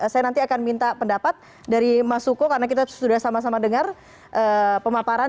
saya nanti akan minta pendapat dari mas suko karena kita sudah sama sama dengar pemaparan